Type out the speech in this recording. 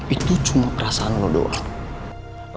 itu cuma perasaan lo doang